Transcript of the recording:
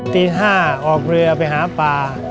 ตี๕ออกเรือไปหาป่า